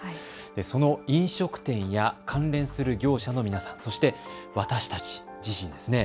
その飲食店や関連する業者の皆さん、そして私たち自身ですね。